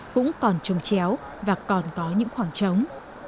cũng còn trồng chéo và còn có những khoảng trống